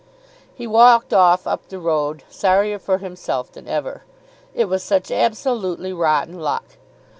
He walked off up the road, sorrier for himself than ever. It was such absolutely rotten luck.